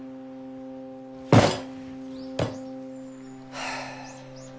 はあ。